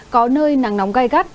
có nơi nắng nóng gai gắt